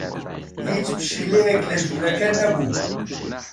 هیچ پشیلەیەک لە ژوورەکە نەبوو.